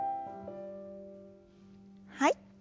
はい。